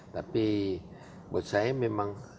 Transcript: tapi buat saya memang